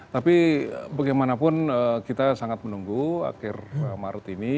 tapi bagaimanapun kita sangat menunggu akhir maret ini